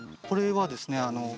これはですね